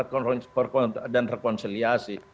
kkr dan rekonsiliasi